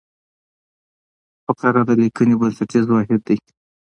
فقره د لیکني بنسټیز واحد دئ.